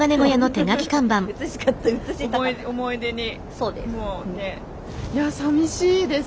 そうです。